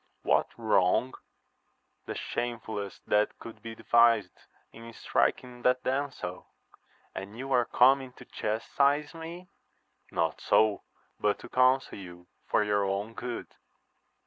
— What wrong? — The shamefullest that could be devised, in striking that damsel. — ^And you are come to chastise me 1 — ^Not so : but to counsel you for your own good.